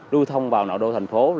lưu thông vào nội đô thành phố